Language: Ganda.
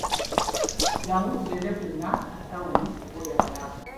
Jjangu tugende fenna mu ttawuni oba oyagala.